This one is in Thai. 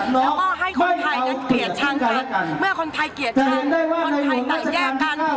และให้คนไทยเกียจกันเมื่อคนไทยเกียจกันคนไทยจัดแยกกัน